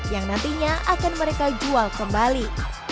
yang nantinya akan mereka jual kembali